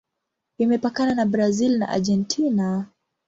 Imepakana na Brazil na Argentina.